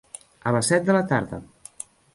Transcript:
A les set de la tarda.